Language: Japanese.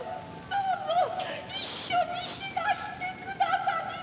どうぞ一緒に死なしてくださりませ。